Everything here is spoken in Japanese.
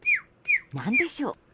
何でしょう？